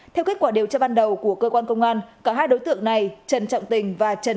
theo kết quả điều tra ban đầu của cơ quan công an cả hai đối tượng này trần trọng tình và trần